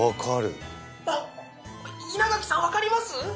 あっ稲垣さん分かります？